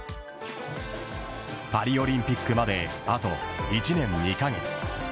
パリオリンピックまであと１年２カ月。